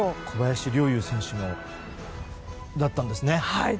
小林陵侑選手もそうだったんですね。